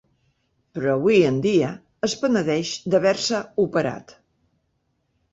Però avui en dia es penedeix d'haver-se operat.